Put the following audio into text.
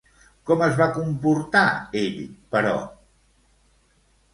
Com es va comportar ell, però?